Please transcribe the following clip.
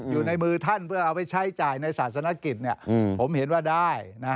อยู่ในมือท่านเพื่อเอาไปใช้จ่ายในศาสนกิจผมเห็นว่าได้